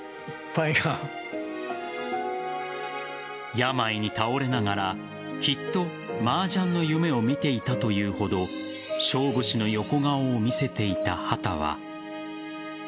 病に倒れながらきっと麻雀の夢を見ていたというほど勝負師の横顔を見せていた畑は。